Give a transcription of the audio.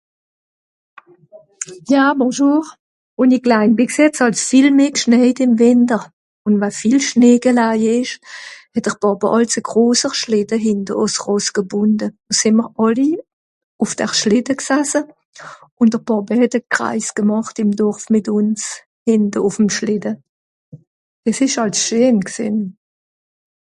Oui bonjour quand j'étais plus petite il.neigeait beaucoup plus en hiver & quand il y avait beaucoup de neige notre père attachait un traîneau à l'arrière du cheval. On prenait tous place sur le traineau et le père faisait un tour dans le village , derrière sur le traineau. c 'etait super